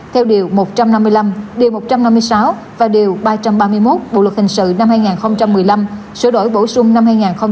theo điều một trăm năm mươi năm điều một trăm năm mươi sáu và điều ba trăm ba mươi một bộ luật hình sự năm hai nghìn một mươi năm sửa đổi bổ sung năm hai nghìn một mươi bảy